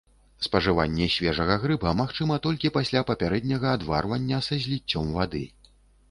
Спажыванне свежага грыба магчыма толькі пасля папярэдняга адварвання са зліццём вады.